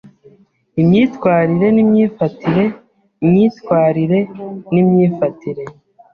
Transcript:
Imyitwarire n’Imyifatire myitwarire n’Imyifatire